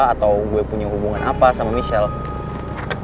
atau gue punya hubungan apa sama michelle